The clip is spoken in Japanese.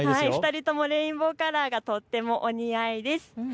２人ともレインボーカラーが、とってもお似合いです。